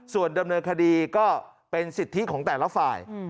ส่วนดำเนินคดีก็เป็นสิทธิของแต่ละฝ่าย